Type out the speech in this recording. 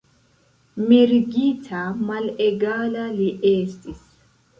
Mergita, malegala li estis!